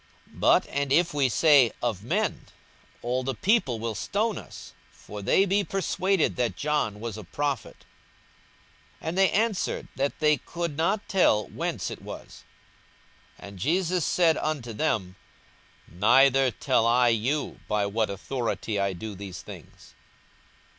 42:020:006 But and if we say, Of men; all the people will stone us: for they be persuaded that John was a prophet. 42:020:007 And they answered, that they could not tell whence it was. 42:020:008 And Jesus said unto them, Neither tell I you by what authority I do these things.